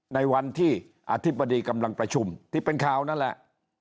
ในวันที่อธิบดีกำลังประชุมที่เป็นข่าวนั่นแหละ